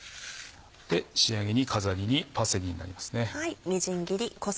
仕上げに飾りにパセリになりますね。